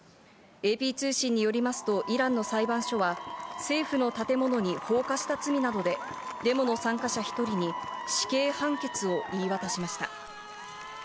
ＡＰ通信によりますと、イランの裁判所は政府の建物に放火した罪などで、デモの参加者１人に死刑判決を言い渡しました。